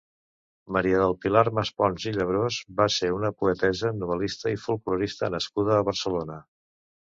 Maria del Pilar Maspons i Labrós va ser una poetessa, novel·lista i folklorista nascuda a Barcelona.